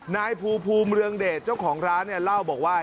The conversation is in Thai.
นายภูภูมิเรืองเดชเจ้าของร้านเนี่ยเล่าบอกว่า